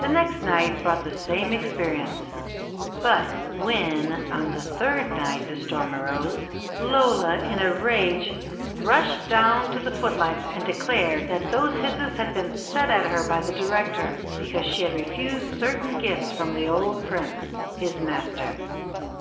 The next night brought the same experience; but when on the third night the storm arose, "Lola, in a rage, rushed down to the footlights and declared that those hisses had been set at her by the director, because she had refused certain gifts from the old Prince, his master.